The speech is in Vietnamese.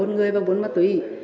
bốn người và bốn mất tùy